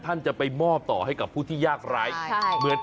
ท่านจะไปมอบต่อให้กับผู้ที่ยากร้าย